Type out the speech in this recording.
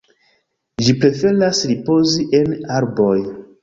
Ĝi preferas ripozi en arboj.